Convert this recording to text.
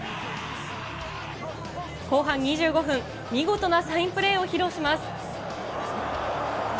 後半２５分、見事なサインプレーを披露します。